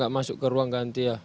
masuk ke ruang ganti ya